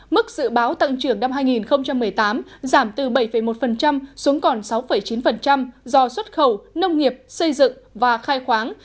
mức dự báo tăng trưởng năm hai nghìn một mươi tám giảm từ bảy một xuống còn sáu chín do xuất khẩu nông nghiệp xây dựng và khai khoáng